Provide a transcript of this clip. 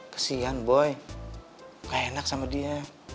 kesian boy enggak enak sama dia